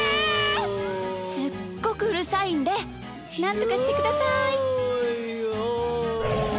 すっごくうるさいんでなんとかしてください。